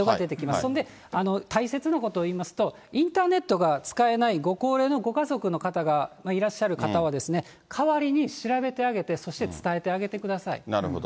それで大切なことを言いますと、インターネットが使えないご高齢のご家族の方がいらっしゃる方は、代わりに調べてあげて、そして伝なるほど。